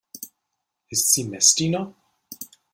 Ist sie Messdiener?